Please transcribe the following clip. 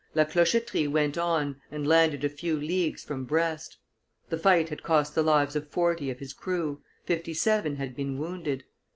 La Clochetterie went on and landed a few leagues from Brest. The fight had cost the lives of forty of his crew, fifty seven had been wounded.